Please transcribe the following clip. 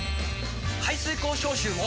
排水口消臭も！